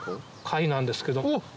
貝なんですけど。